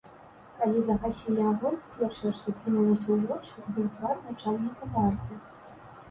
Калі загасілі агонь, першае, што кінулася ў вочы, быў твар начальніка варты.